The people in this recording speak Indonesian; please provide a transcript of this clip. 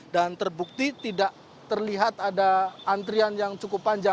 dan terbukti tidak terlihat ada antrian yang cukup panjang